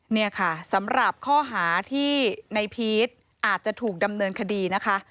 นี่ค่ะสำหรับข้อหาที่ในพีชอาจจะถูกดำเนินคดีนะคะ